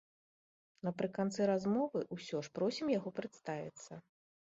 Напрыканцы размовы ўсё ж просім яго прадставіцца.